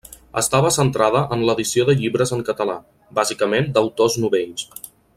Estava centrada en l'edició de llibres en català, bàsicament d'autors novells.